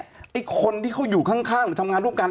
ไอ้คนที่เขาอยู่ข้างหรือทำงานร่วมกัน